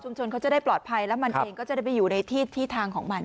ชนเขาจะได้ปลอดภัยแล้วมันเองก็จะได้ไปอยู่ในที่ทางของมัน